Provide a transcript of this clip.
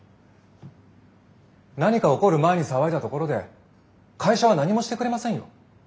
何か起こる前に騒いだところで会社は何もしてくれませんよ？